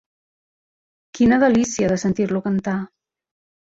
Quina delícia, de sentir-lo a cantar!